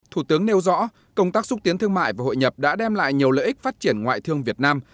thủ tướng nêu rõ công tác xúc tiến thương mại và hội nhập đã đem lại nhiều lợi ích phát triển ngoại thương việt nam